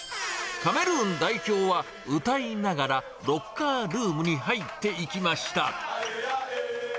カメルーン代表は歌いながら、ロッカールームに入っていきました。